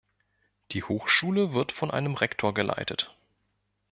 Die Hochschule wird von einem Rektor geleitet.